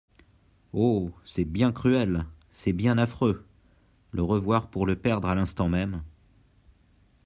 Oh ! c'est bien cruel ! c'est bien affreux ! Le revoir pour le perdre à l'instant même.